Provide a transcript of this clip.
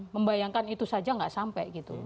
membayangkan itu saja nggak sampai gitu